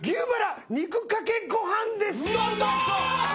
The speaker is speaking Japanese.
やったー！